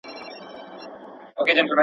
هوا باید د تنفس وړ وي.